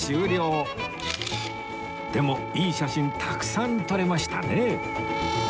でもいい写真たくさん撮れましたね